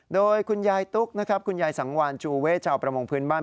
โดยคุณยายตุ๊กนะครับคุณยายสังวานจูเวชาวประมงพื้นบ้าน